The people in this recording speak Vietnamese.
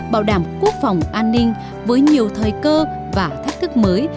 bảo đảm quốc phòng an ninh với nhiều thời cơ và thách thức mới